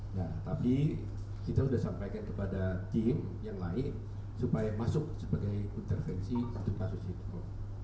nah tapi kita sudah sampaikan kepada tim yang lain supaya masuk sebagai intervensi kasus kasus itu